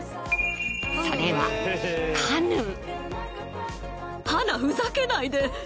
それはカヌー。